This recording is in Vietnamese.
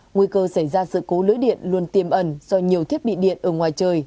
nguy cơ xảy ra sự cố lưới điện luôn tiềm ẩn do nhiều thiết bị điện ở ngoài trời